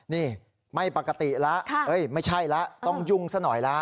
นี่ไม่ปกติแล้วไม่ใช่แล้วต้องยุ่งซะหน่อยละ